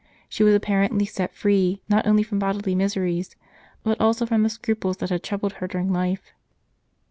She was apparently set free, not only from bodily miseries, but also from the scruples that had troubled her during life.